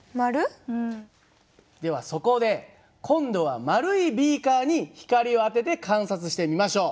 ではそこで今度は丸いビーカーに光を当てて観察してみましょう。